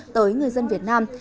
tới người dân việt nam